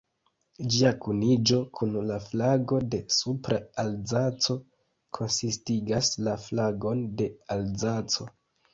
Ĝia kuniĝo kun la flago de Supra-Alzaco konsistigas la flagon de Alzaco.